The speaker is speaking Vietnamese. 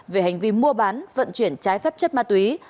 về hành vi mua bán vận chuyển trái phép chất ma túy